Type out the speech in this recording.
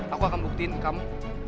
aku akan buktiin kamu